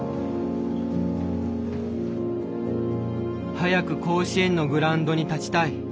早く甲子園のグラウンドに立ちたい。